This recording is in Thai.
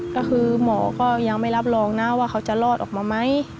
ก็คือหมอก็ยังไม่รับรองนะว่าเขาจะรอดออกมาไหม